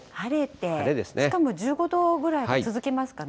晴れて、しかも１５度ぐらいが続きますかね。